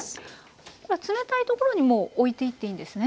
これは冷たい所にもう置いていっていいんですね。